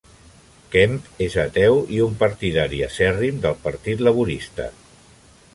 Kemp és ateu i un partidari acèrrim del Partit Laborista.